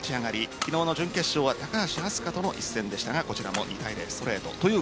昨日の準決勝は高橋明日香との一戦でしたがこちらも２対０でストレート。